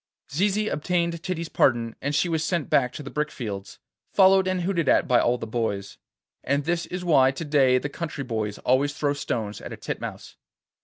Zizi obtained Titty's pardon, and she was sent back to the brick fields, followed and hooted at by all the boys. And this is why to day the country boys always throw stones at a titmouse.